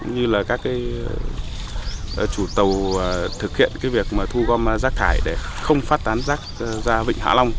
như là các chủ tàu thực hiện việc thu gom rác thải để không phát tán rác ra vịnh hạ long